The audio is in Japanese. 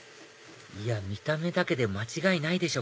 いや見た目だけで間違いないでしょ